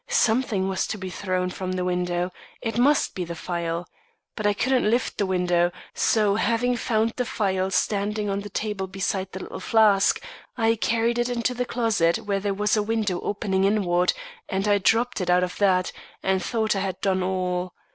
Something was to be thrown from the window it must be the phial. But I couldn't lift the window, so having found the phial standing on the table beside the little flask, I carried it into the closet where there was a window opening inward, and I dropped it out of that, and thought I had done all.